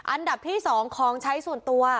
อันดับที่๒ของใช้ส่วนตัว